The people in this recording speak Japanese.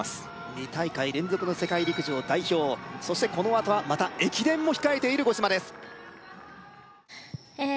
２大会連続の世界陸上代表そしてこのあとはまた駅伝も控えている五島ですええ